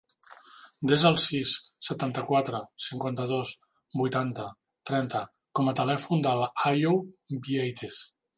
Desa el sis, setanta-quatre, cinquanta-dos, vuitanta, trenta com a telèfon de l'Àyoub Vieites.